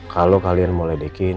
kalau kalian mau ledekin